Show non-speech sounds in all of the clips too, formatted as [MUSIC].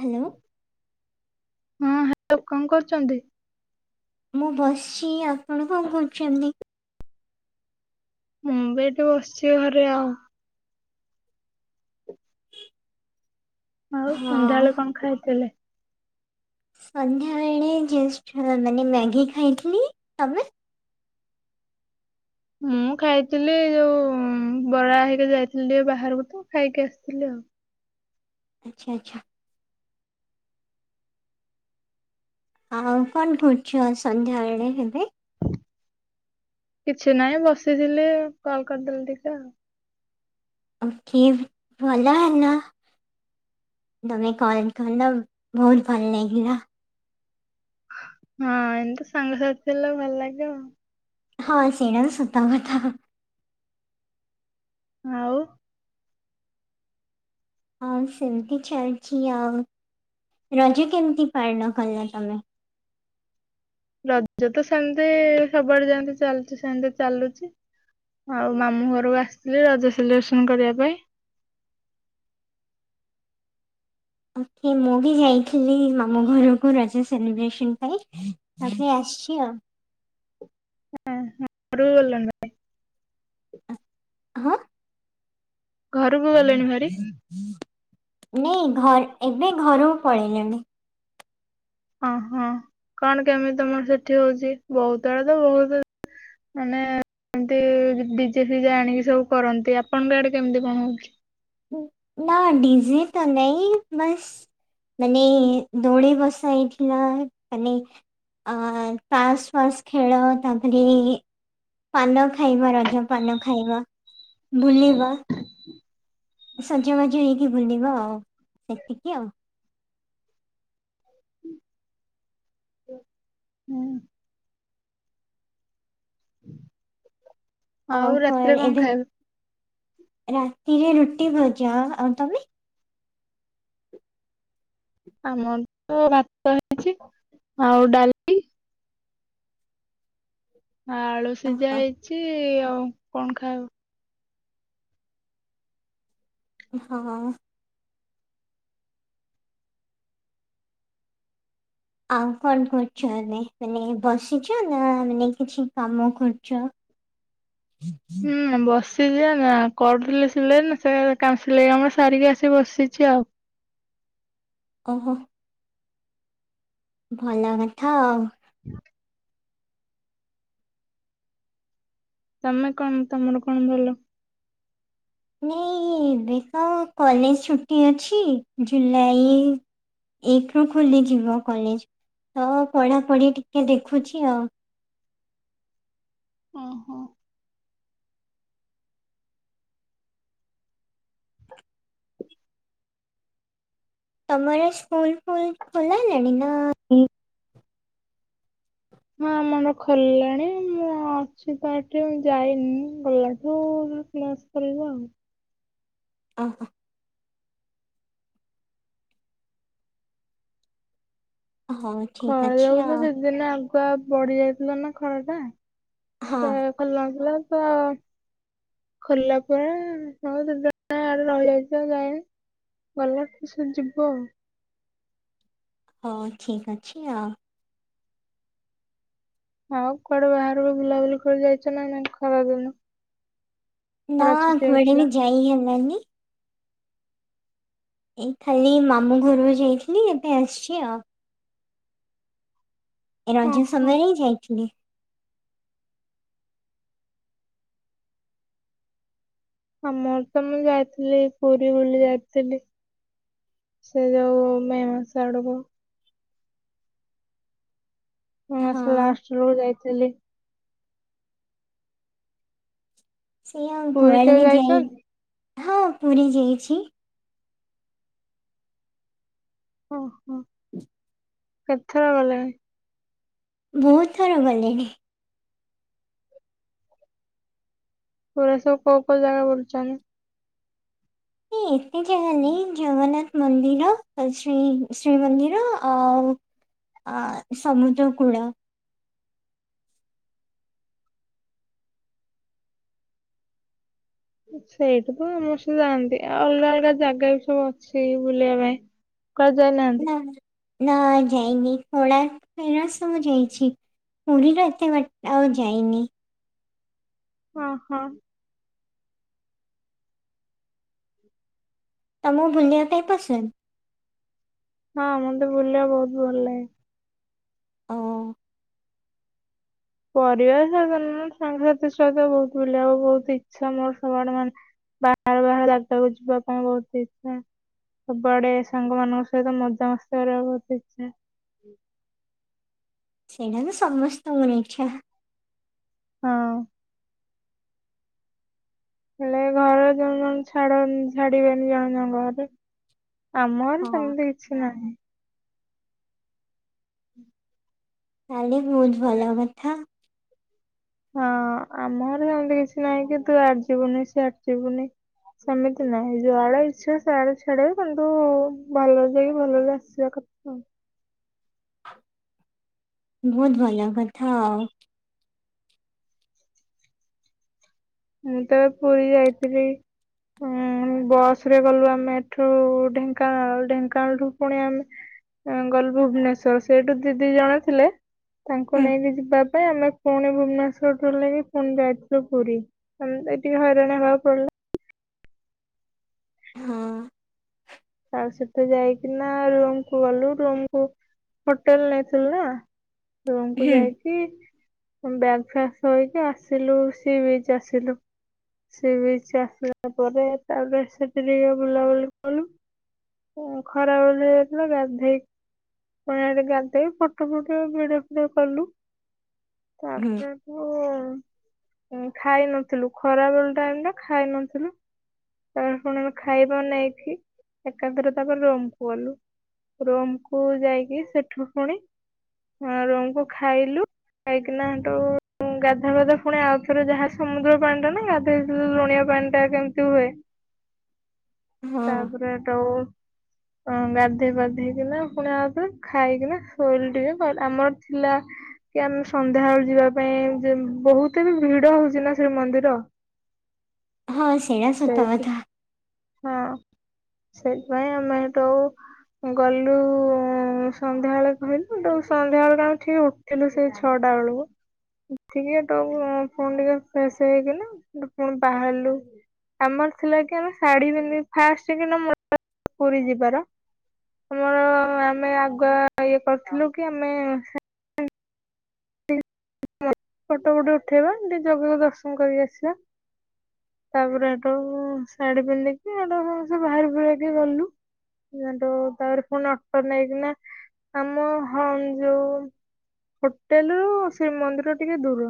Hello. ହଁ hello କଣ କରୁଛନ୍ତି? ମୁଁ ବସିଛି ଆପଣ କଣ କହୁଛନ୍ତି? ମୁଁ ବି ବସିଛି ଘରେ ଆଉ। ଆଉ ହଁ ସନ୍ଧ୍ୟାବେଳେ କଣ ଖାଇଥିଲେ? ସନ୍ଧ୍ୟାବେଳେ ମାନେ ମ୍ୟାଗି ଖାଇଥିଲି ତମେ। ମୁଁ ଖାଇଥିଲି ଯୋଉ ବରା ହେଇକି ଯାଇଥିଲି ଟିକେ ବାହାରକୁ ତ ଖାଇକି ଆସିଥିଲି ଆଉ। ଆଚ୍ଛା ଆଚ୍ଛା। ଆଉ କଣ କରୁଛୁ ସନ୍ଧ୍ୟାବେଳେ ଏବେ। କିଛି ନାହିଁ ବସିଥିଲି କଲ କରିଦେଲେ ଟିକେ ଆଉ। ଓକେ ଭଲ ହେଲା ତମେ କଲ୍ କଲ ବହୁତ ଭଲ ଲାଗିଲା। ହଁ ଏତା ସାଙ୍ଗସଥି ହେଲା ଭଲ ଲାଗିବ। ହଁ ସେଟା ସତ କଥା। ଆଉ। ହଁ ସେମିତି ଚାଲିଛି ଆଉ ରଜ କେମିତି ପାଳନ କଲ ତମେ? ରଜ ତ ସେମିତି ସବୁଆଡେ ଯମ ଚାଲୁଛି ସେମିତି ଚାଲୁଛି ଆଉ ମାମୁଁ ଘରକୁ ଆସିଥିଲି ରଜ ସେଲିବ୍ରେସନ କରିବା ପାଇଁ। ମୁଁ ବି ଯାଇଥିଲି ମାମ ଘରକୁ ରଜା ସେଲିବ୍ରେସନ ପାଇଁ ତାପରେ ଆସିଛି ଆଉ। [UNINTELLIGIBLE] ହଁ। ଘରୁ କୁ ଗଲେଣି ଭାରି। ନାଇ ଘର ଏବେ ଘରକୁ ପଳେଇଲେଣି। ଅ ହଁ କଣ କେମିତି ତମର ସେଠି ହଉଛି ବହୁତ ବଡ ତ ବହୁତ ମାନେ ଏମତି ଡିଜେପିଜ ଆଣିକି ସବୁ କରନ୍ତି ଆପଣଙ୍କ ଆଡେ କେମିତି କଣ ହଉଛି। ନା ଡିଜିେ ତ ନାଇଁ ବାସ୍ ମାନେ ଦୋଳି ବସା ହେଇଥିଲା ମାନେ ତାସ ଫାସ ଖେଳ ତାପରେ ପାନ ଖାଇବା ରଜ ପାନ ଖାଇବା ବୁଲିବା। ସଜବାଜ ହେଇକି ଭୁଲିବ ଆଉ ସେତିକି ଆଉ। ହୁଁ ଆଉ ରାତିରେ କଣ ଖାଇବ? ରେ ରୁଟି ଭଜା ଆଉ ତାବେ ଆମର ତ ଭାତ ହେଇଛି ଆଉ ଡାଲି ଆଳୁ ସିଝା ଓହୋ ହେଇଛି। ସେ ଆଉ କଣ ଖାଇବ? ହଁ। ଆଉ କଣ କରୁଛ ଆମେ ମାନେ ବସିଛ ନା ମାନେ କିଛି କାମ କରୁଛ? ହୁଁ ବସ୍ [UNINTELLIGIBLE] କରୁଥିଲେ ସିଲେଇ ନା ସେ କାଲି [UNINTELLIGIBLE] ସାରିକି ଆସିକି ବସିଛି ଆଉ। ଓହୋ। ଭଲ କଥା ଆଉ। ହୁଁ ତମେ କଣ ତମର କଣ ଭଲ? ନାଇ ଏବେ ତ କଲେଜ ଛୁଟି ଅଛି ଜୁଲାଇ ଏକ ରୁ ଖୋଲିଯିବ କଲେଜ ତ ପଢ଼ାପଢ଼ି ଟିକେ ଦେଖୁଛି ଆଉ। ଓହୋ ତମର ସ୍କୁଲ ଫୁଲ ଖୋଲାଲାଣି ନା। ହଁ ଆମର ଖୋଲିଲାଣି ମୁଁ ଅଛି ତ ଏଠି ଯାଇନି ଗଲାଠୁ କ୍ଲାସ କରିବା ଆଉ। ଓ ହୋ। ହଉ ଠିକ ଖରା ଅଛି ଯୋଉ ଆଉ ଦି ଦିନ ପା ପଡ଼ି ଯାଇଥିଲ ନା ଖରା ଟା। ହଁ ସେ ଖୋଲା ନଥିଲା। ତ ଖୋଲା ପରେ ହଁ ଯିଏ ଯୁଆଡେ ତ ରହିଯାଇଛି ଆଉ ଯାଇନି ଗଲେ ଟିଉସନ ଯିବୁ ଆଉ। ହଁ ଠିକ ଅଛି ଆଉ। ଆଉ କୁଆଡେ ବାହାରକୁ ବୁଲାବୁଲି କରି ଯାଇଛ ନା ନାଇ ଖରା ଦିନ। ନା ଖରା ଛୁଟି କୁଆଡେ ହେଇଥିଲା ବି ଯାଇହେଲାନି। ଏଇ ଖାଲି ମାମୁଁ ଘରୁକୁ ଯାଇଥିଲି ଏବେ ଆସଛି ଆଉ। ଏ ରଜ ଓହୋ ସମୟରେ ହିଁ ଯାଇଥିଲି। ଆମର ତ ମୁଁ ଯାଇଥିଲି ପୁରୀ ବୁଲି ଯାଇଥିଲି ସେ ଯୋଉ ମେ ମାସ ଆଡକୁ। ମେ ହଁ। ମାସ ଲାଷ୍ଟ ବେଳକୁ ଯାଇଥିଲି। ସେୟା ଆଉ ପୁରୀ କୁଆଡ଼େ କେବେ ବି ଯାଇ ଯାଇଛନ୍ତି? ହଁ ପୁରୀ ଯାଇଛି। ଓହୋ କେତଥର ଗଲେଣି? ବହୁତ ଥର ଗଲିଣି। ପୁରୀ ରେ ସବୁ କୋଉ କୋଉ ଜାଗା ବୁଲିଛ ହେଁ। ହୁଁ। ଏ ଜାଗା ନି ଜଗନ୍ନାଥ। ମନ୍ଦିର ଆଉ ଶ୍ରୀ ଶ୍ରୀମନ୍ଦିର ଆଉ ଆ ସମୁଦ୍ର କୂଳ। ସେଇଠୁ ତ ସମସ୍ତେ ଯାଆନ୍ତି ଅଲଗା ଅଲଗା ଜାଗା ବି ସବୁ ଅଛି ବୁଲିବା ପାଇଁ। କୁଆଡ଼େ ଯାଇନାହାନ୍ତି? ନା ନା ଯାଇନି କୋଣାର୍କ ଯାଇ ଆସ ମୁଁ ଯାଇଛି। ପୁରୀ ର ଏତେ ବାଟ ଆଉ ଯାଇନି। ହଁ -ହଁ। ତମ ବୁଲିଆ ପାଇଁ ପସନ୍ଦ। ହଁ ମତେ ବୁଲିଆକୁ ବହୁତ ଭଲ ଲାଗେ। ଓ ପରିବାର ସହିତ ନୁହ ସାଙ୍ଗସାଥି ସହିତ ବହୁତ ବୁଲିଆକୁ ବହୁତ ଇଚ୍ଛା। ମୋର ସବୁଆଡେ ମାନେ ବାହାର ବାହାର ଜାଗାକୁ ଯିବା ପାଇଁ ବହୁତ ଇଚ୍ଛା ସବୁଆଡେ ସାଙ୍ଗ ମାନଙ୍କ ସହିତ ମଜାମସ୍ତି କରିବାକୁ ବହୁତ ଇଚ୍ଛା। ସେଇଟା ତ ସମସ୍ତଙ୍କ ର ଇଚ୍ଛା। ହଁ। ହେଲେ ଘରେ ଜଣ ଜଣ ଛାଡ ଛାଡିବେନି ଜଣ ଜଣଙ୍କ ଘରେ। ଆମର ହଁ ସେମିତି କିଛି ନାହିଁ। ତାହେଲେ ବହୁତ ଭଲ କଥା। ହଁ ଆମ ଘର ସେମିତି କିଛି ନାହିଁ କି ତୁ ଇଆଡେ ଯିବୁନି ସିଆଡେ ଯିବୁନି ସେମିତି ନାହିଁ ଯୁଆଡେ ଇଚ୍ଛା ସିଆଡେ ଛାଡିବୁ କିନ୍ତୁ ଭଲରେ ଯାଇକି ଭଲରେ ଆସିବା କଥା। ବହୁତ ବଢିଆ କଥା ଆଉ। ମୁଁ ତ ପୁରୀ ଯାଇଥିଲି ଉଁ ବସ ରେ ଗଲୁ ଆମେ ଏଠୁ ଢେଙ୍କାନାଳ ଢେଙ୍କାନାଳଠୁ ପୁଣି ଆମେ ଗଲୁ ଭୁବନେଶ୍ଵର ସେଠୁ ଦିଦି ଜଣେ ଥିଲେ ତାଙ୍କୁ ହୁଁ ନେଇକି ଯିବା ଭାଇ ଆମେ ପୁଣି ଭୁବନେଶ୍ୱର ବୁଲିକି ପୁଣି ଯାଇଥିଲୁ ପୁରୀ। ଏଇ ଟିକେ ହଇରାଣ ହବାକୁ ପଡିଲା। ହଁ ତା ସହିତ ଯାଇକିନା ରୁମକୁୁ ଗଲୁ ରୁମରୁ ହୋଟେଲ ନେଇଥିଲୁ ନା। ରୁମକୁ ହୁଁ ଯାଇକି ବ୍ୟାଗ ଫ୍ୟାଗ ଥୋଇକି ଆସିଲୁ ସି ବିଚ୍ ଆସିଲୁ ସି ବିଚ ଆସିଲା ପରେ ତାପରେ ସେଠି ଟିକେ ବୁଲାବୁଲି କଲୁ। ଖରାବେଳ ଯାଇଥିଲୁ ଗାଧେଇ ପୁଣି ହେଠି ଗାଧେଇ ଫଟୋ ଫଟ ଭିଡିଓ ଫିଡିଓ କଲୁ। ହୁଁ ତାପରେ କୁ ଖାଇ ନଥିଲୁ ଖରା ବେଳ ଟାଇମଟା ଖାଇ ନଥିଲୁ ତାପରେ ଫୁଣି ଆମେ ଖାଇବା ନେଇକି ଏକାଥରେ ତାପରେ ରୁମ କୁ ଗଲୁ। ରୁମକୁ ଯାଇକି ସେଠୁ ଫୁଣି ରୁମକୁ ଖାଇଲୁ ଖାଇକିନା ହେଠୁ ଗାଧୁଆ ପାଧୁଆ ଫୁଣି ଆଉଥରେ ଯାହା ସମୁଦ୍ର ପାଣି ଟା ନା ଗାଧୋଇଥିଲୁ ଲୁଣିଆ ପାଣିଟା ଯେମିତି ହୁଏ ହଁ ତାପରେ ଗାଧେଇ ପାଧେଇକିନା ଫୁଣି ଆଉ ଥରେ ଖାଇକିନା ଶୋଇଲୁ ଟିକେ ତାପରେ ଆମର ଥିଲା କି ଆମେ ସନ୍ଧ୍ୟାବେେଳୁ ଯିବା ପାଇଁ ଯେ ବହୁତ ବି ଭିଡ ହଉଛି ନା ଶ୍ରୀମନ୍ଦିର ହଁ ସେଏଟା ସତ କଥା ହଁ ସେଇପାଇଁ ଆମେ ହେଠୁ ଗଲୁ ସନ୍ଧ୍ୟା ବେଳେ କହିଲୁ ତ ସନ୍ଧ୍ୟା ବେଳକୁ ଆମେ ଠିକ ଉଠିଲୁ ସେଇ ଛଅଟା ବେଳକୁ ଉଠିକି ହେଠୁ ଫୁଣି ଟିକେ ଫ୍ରେଶ ହେଇଗଲୁ ପୁଣି ବାହାରିଲୁ ଆମର ଥିଲା କି ଆମେ ଶାଢୀପିନ୍ଧି ଫାଷ୍ଟ କିନା [UNINTELLIGIBLE] ପୁରୀ ଯିବାର ଆମର ଆମେ ଆଗୁଆ ଇଏ କରିଥିଲୁ କି ଆମେ ଫଟୋ ଗୋଟେ ଉଠେଇବା ଟିକେ ଜଗା କୁ ଦର୍ଶନ କରି ଆସିବା। ତାପରେ ହେଠଉ ଶାଢୀ ପିନ୍ଧିକି ମାନେ ଆମେ ଯୋଉ ବାହାରି ବୁହାରିକି ଗଲୁ ହେଠୁ ତାପରେ ପୁଣି ଅଟୋ ନେଇକିନା ଆମ ହଲ ଯୋଉ ହୋଟେଲ ରୁ ଶ୍ରୀମନ୍ଦିର ଟିକେ ଦୂର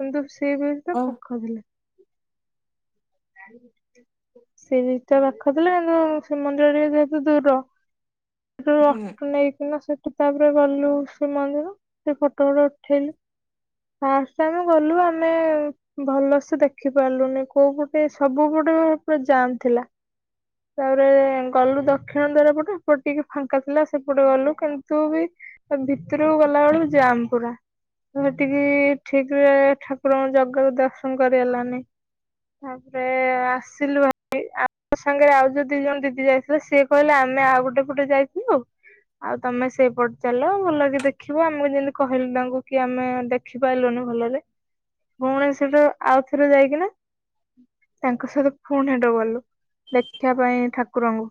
କିନ୍ତୁ ସି ବିଚ ଟା ଓ ପାଖ ଥିଲା। ସେଇଟା ପାଖ ଥିଲା କିନ୍ତୁ ଶ୍ରୀମନ୍ଦିର ଟିକେ ଯେହେତୁ ଦୂର ଦୂର ହୁଁ ନେଇକିନା ସେଠୁ ତାପରେ ଗଲୁ ଶ୍ରୀମନ୍ଦିର ସେ ଫଟୋ ଫଟ ଉଠେଇଲୁ ଫାଷ୍ଟ ଟାଇମ ଗଲୁ ଆମେ ଭଲସେ ଦେଖି ପାରିଲୁନି କୋଉ ସେ ସବୁ ପଟେ ପୁରା ଜାମ୍ ଥିଲା। ତାପରେ ଗଲୁ ଦକ୍ଷିଣ ଦ୍ୱାର ପଟୁକୁ ହେପଟେ ଟିକେ ଫାଙ୍କା ଥିଲା ସେପଟେ ଗଲୁ କିନ୍ତୁ ବି ଭିତରକୁ ଗଲା ବେଳକୁ ଜାମ ପୁରା ସେଠିକି ଠିକ ରେ ଠାକୁରଙ୍କ ଜଗାକୁ ଦର୍ଶନ କରିହେଲାନି। ତାପରେ ଆସିଲୁ ଭାରି ଆମ ସାଙ୍ଗରେ ଆଉ ଯୋଉ ଦି ଜଣ ଦିଦି ଯାଇଥିଲେ ସିଏ କହିଲେ ଆମେ ଆଉ ଗୋଟେ ପଟେ ଯାଇଥିଲୁ ଆଉ ତମେ ସେଇପଟେ ଚାଲ ଭଲକି ଦେଖିବ ଆମକୁ ଯେମତି କହିଲୁ ତାଙ୍କୁ କି ଆମେ ଦେଖିପାଇଲୁନି ଭଲରେ ପୁଣି ସେଠୁ ଆଉଥରେ ଯାଇକିନା ତାଙ୍କ ସହିତ ପୁଣି ହେଠା କୁ ଗଲୁ ଦେଖିବା ପାଇଁ ଠାକୁରଙ୍କୁ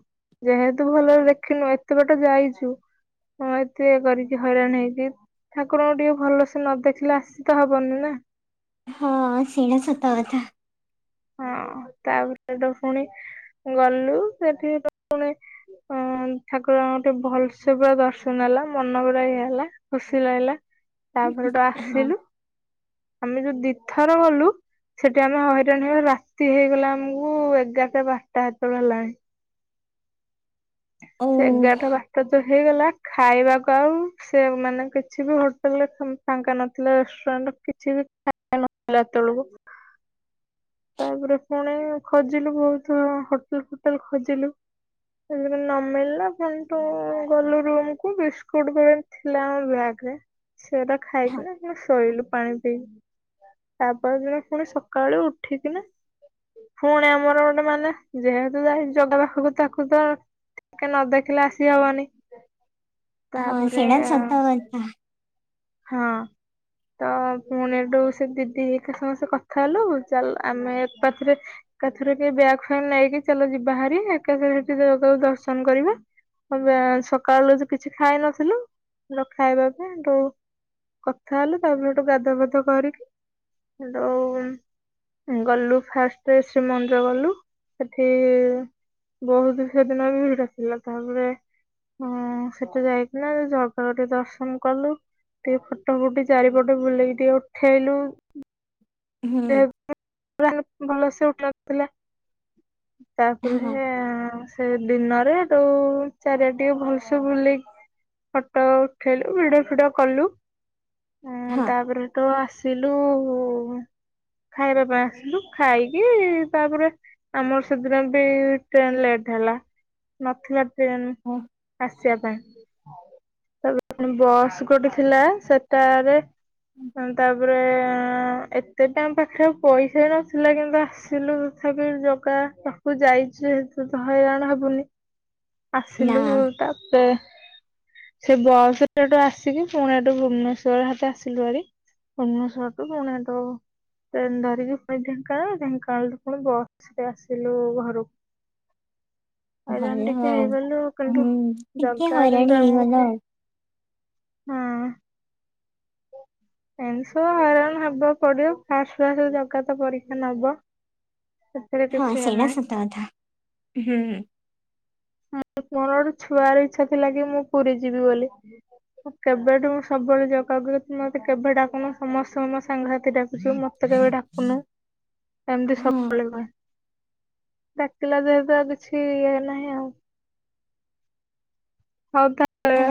ଯେହେତୁ ଭଲରେ ଦେଖିନୁ ଏତେ ବାଟ ଯାଇଚୁ ହଁ ଏତେ କରିକି ହଇରାଣ ହେଇକି ଠାକୁରଙ୍କୁ ଟିକେ ଭଲସେ ନ ଦେଖିଲେ ଆସି ତ ହବନି ନା ହଁ ସେଇଟା ସତ କଥା। ହଁ ତାପରେ ହେଠୁ ଫୁଣି ଗଲୁ ସେଠି ପୁଣି ଠାକୁରଙ୍କଟି ଭଲସେ ପୁରା ଦର୍ଶନ ହେଲା ମନ ପୁରା ଇଏ ହେଲା ଖୁସି ଲାଗିଲା ତା ସୋଉଟୁ ହଁ ଆସିଲୁ। ଆମେ ଯୋଉ ଦିଥର ଗଲୁ ସେଠି ଆମେ ହଇରା [UNINTELLIGIBLE] ରାତି ହେଇଗଲା ଆମୁକୁ ଏଗାରଟା ବାରଟା ହେତେବେଳକୁ ହେଲାଣି। ଓ ସେ ଏଗାରଟା ବାରଟା ଯେତେ ହେଇଗଲା ଖାଇବାକୁ ଆଉ ସେ ମାନେ କିଛି ବି ହୋଟେଲରେ ଫ୍ ଫାଙ୍କା ନଥିଲା ରେଷ୍ଟୁରାଣ୍ଟ କିଛି ବି ଫାଙ୍କା ନଥିଲା ହେତେବେଳକୁ। ତାପରେ ଫୁଣି ଖୋଜିଲୁ ବହୁତ ହୋଟେଲ ଫୋଟେଲ ଖୋଜିଲୁ ତେଣୁ ଯେମିତି ନମିଳିଲା ପୁଣି ତୁ ଗଲୁ ରୁମକୁୁ ବିସ୍କୁଟ ପାକେଟ ଥିଲା ଆମ ବ୍ୟାଗରେ ସେଇରା ହଁ ଖାଇକିନା ପୁଣି ଶୋଇଲୁ। ପାଣି ପିଇକି ତାପରଦିନ ଫୁଣି ସକାଳୁ ଉଠ ଠିକିନା ଫୁଣି ଆମର ଗୋଟେ ମାନେ ଯେହେତୁ ଯାଇଚୁ ଜଗା ପାଖକୁ ତାକୁ ତ ଟିକେ ନ ଦେଖିଲେ ଆସି ହବନି ହଁ ତାପରେ ସେଡା ସତ କଥା ହଁ ତ ପୁଣି ହେଠୁ ସେ ଦିଦି ଘେରିକା ସମସ୍ତେ କଥା ହେଲୁ ଚାଲ ଆମେ ଏକାଥରେ ଏକାଥରେ କେ ବ୍ୟାଗ୍ ଫ୍ୟାଗ ନେଇକି ଚାଲ ଯିବାହାରି ଏକାଥରେ ସେଠି ଯାଉ ଯାଉ ଦର୍ଶନ କରିବା ସକାଳୁ କିଛି ଖାଇନଥିଲୁ ନ ଖାଇବା କୁ ହେଠୁ କଥା ହେଲୁ ତାପରେ ସେଠୁ ଗାଧୁଆ ଫାଧୁଆ କରିକି ହେଠୁ ଗଲୁ ଫାଷ୍ଟ ଶ୍ରୀମନ୍ଦିର ଗଲୁ ସେଠି ବହୁତ ସେ ଦିନ ଭିଡ ଥିଲା ତାପରେ ସେଠି ଯାଇକିନା ଜଗା କୁ ଟିକେ ଦର୍ଶନ କଲୁ ଟିକେ ଫଟୋ ଫୁଟି ଚାରିପଟେ ବୁଲେଇକି ଟିକେ ଉଠେଇଲୁ। ହୁଁ [UNINTELLIGIBLE] ଭଲସେ ଉଠଉଥିଲା ତା ପରେ ହଁ ହେ ସେ ଦିନରେ ତ ଚାରିଆଡେ ଟିକେ ଭଲସେ ବୁଲି ଫଟୋ ଉଠେଇଲୁ ଭିଡିଓ ଫିଡିଓ କଲୁ ହୁଁ ହଁ ତାପରେ ତ ଆସ ଥିଲୁ ଉ ଖାଇବା ପାଇଁ ଆସିଲୁ ଖାଇକି ତାପରେ ଆମର ସେଦିନ ବି ଟ୍ରେନ ଲେଟ ହେଲା ନଥିଲା ସେ ଓ ଆସିବା ପାଇଁ ହଁ ବସ୍ ଗୋଟେ ଥିଲା ସେଟାରେ ତାପରେ ଏତେ ଟାଇମ ପାଖରେ ଆଉ ପଇସା ବି ନଥିଲା କିନ୍ତୁ ଆସିଲୁ ତଥାପି ଜଗା ପାଖକୁ ଯାଇଛି ସେ ତ ହଇରାଣ ହବୁନି ନା ଆସିଲୁ ତାପରେ ସେ ବସ ଟଠୁ ଆସିକି ପୁଣି ଏଠୁ ଭୁବନେଶ୍ଵର ଆସିଲୁ ଆରି ଭୁବନେଶ୍ଵରୁ ପୁଣି ହେଠୁ ଟ୍ରେନ ଧରିକି ପୁଣି ଢେଙ୍କାନାଳ ଢେଙ୍କାନାଳୁ ପୁଣି ବସରେ ଆସିଲୁ ଘରକୁ ହଇରାଣ ଭଲ ଟିକେ ହେଇଗଲୁ କିନ୍ତୁ ହୁଁ ଟିକେ ଜଗା କିନ୍ତୁ ହଇରାଣ ହେଇଗଲ ଆମକୁ ଆଉ ହଁ ଏମିତି ସବୁ ହଇରଣ ହବାକୁ ପଡିବ ଫାଷ୍ଟ ଫାଷ୍ଟ ତ ଜଗା ତ ପରୀକ୍ଷା ନବ ସେଥିରେ ହଁ କିଛି ଇଏ ସେଇଟା ନାହିଁ। ସତା କଥା ହୁଁ। ମୋର ଗୋଟେ ଛୁଆର ଇଚ୍ଛା ଥିଲା କି ମୁଁ ପୁରୀ ଯିବି ବୋଲି କେବେଠୁ ମୁଁ ସବୁବେଳେ ଜଗା ଡାକେ ମତେ କେବେ ଡାକୁନୁ ସମସ୍ତଙ୍କୁ ମୋ ସାଙ୍ଗସାଥି ଡା ଚୁ ମତେ କେବେ ଡାକୁନୁ। ଏମିତି ସବୁବେଳେ ହଁ କହେ। ଡାକିଲା ଦେହତୁ ଆଉ କିଛି ଇଏ ନାହିଁ ଆଉ। ହଉ ତାହଲେ